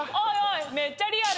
めっちゃリアル。